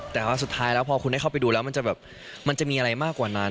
แต่ว่าสุดท้ายแล้วพอคุณได้เข้าไปดูแล้วมันจะแบบมันจะมีอะไรมากกว่านั้น